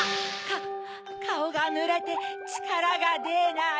カオがぬれてちからがでない。